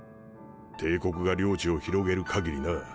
帝国が領地を広げる限りな。